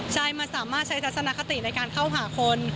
ใช่มันสามารถใช้ทัศนคติในการเข้าหาคน